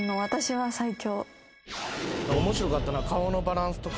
面白かったな。